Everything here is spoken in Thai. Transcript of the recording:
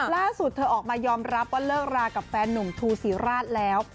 ล่าสุดเธอออกมายอมรับว่าเลิกรากับแฟนหนุ่มทูศิราชแล้ว